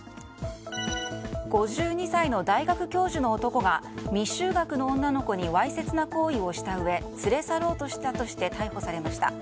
５２歳の大学教授の男が未就学の女の子にわいせつな行為をしたうえ連れ去ろうとしたとして逮捕されました。